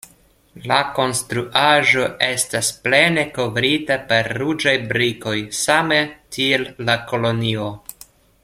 La konstruaĵo estas plene kovrita per ruĝaj brikoj, same tiel la kolonio.